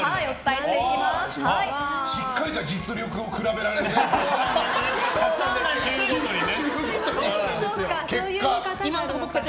しっかり実力を比べられるね。